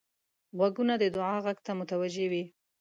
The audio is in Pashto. غوږونه د دعا غږ ته متوجه وي